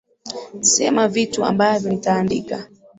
Sema vitu ambavyo nitaandika